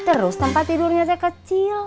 terus tempat tidurnya saya kecil